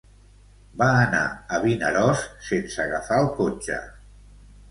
Va anar a Vinaròs sense agafar el cotxe.